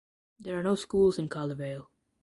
There are no schools in Caldervale.